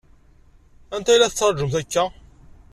Anta i la tettṛaǧumt akka?